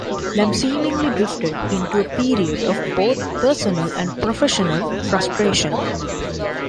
Lamm seemingly drifted into a period of both personal and professional frustration.